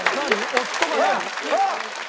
夫が何？